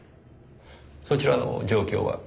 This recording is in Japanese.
そちらの状況は？